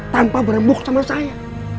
tanpa berembuk sama saya